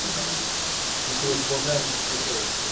Este templo es la parroquia más antigua del Cuzco.